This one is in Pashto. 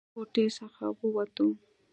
له کوټې څخه ووتو.